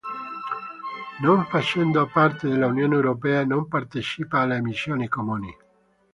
Non facendo parte dell'Unione europea, non partecipa alle emissioni comuni.